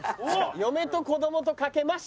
「嫁と子供とかけまして」？